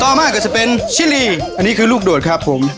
มากก็จะเป็นชิลีอันนี้คือลูกโดดครับผม